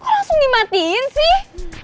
kok langsung dimatiin sih